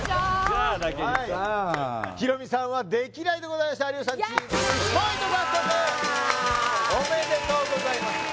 「ジャー」だけヒットヒロミさんはできないでございました有吉さんチーム１ポイント獲得おめでとうございます